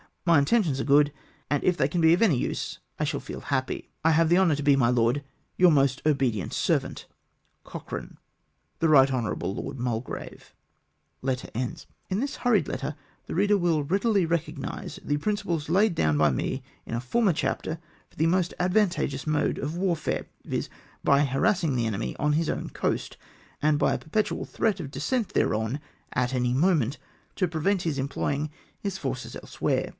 My intentions are good, and if they can be of any use, I shall feel happy. " I have the honour to be, my Lord, " Your most obedient servant, " CoCHKANE. " The Right Hon. Lord Mulgrave." In this hurried letter the reader will readily re cognise the principles laid down by me in a former chapter, for the most advantageous mode of warfare, viz. by harassing the enemy on his own coast, and by a perpetual threat of a descent thereon at any moment, to prevent his employing his forces elsewhere.